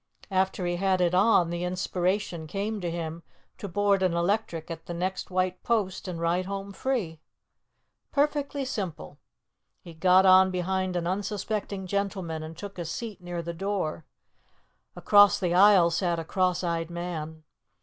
After he had it on, the inspiration came to him to board an electric at the next white post, and ride home free. Perfectly simple! He got on behind an unsuspecting gentleman and took a seat near the door. Across the aisle sat a cross eyed man.